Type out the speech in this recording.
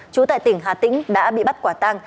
trú tại tỉnh hà tĩnh đã bị bắt quả tang